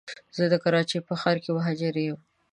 زه د کراچی په ښار کي مهاجر یم